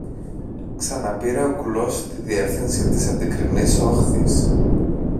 ξαναπήρε ο κουλός τη διεύθυνση της αντικρινής όχθης